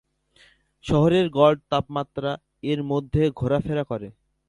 শহরের গড় তাপমাত্রা এর মধ্যে ঘোরাফেরা করে।